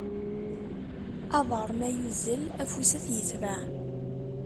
Aḍar ma yuzzel afus ad t-yetbeɛ.